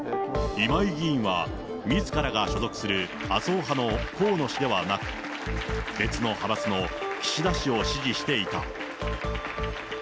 今井議員はみずからが所属する麻生派の河野氏ではなく、別の派閥の岸田氏を支持していた。